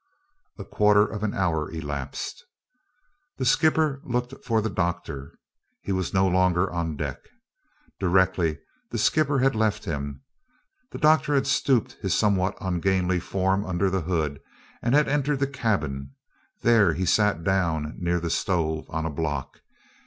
A quarter of an hour elapsed. The skipper looked for the doctor: he was no longer on deck. Directly the skipper had left him, the doctor had stooped his somewhat ungainly form under the hood, and had entered the cabin; there he had sat down near the stove, on a block.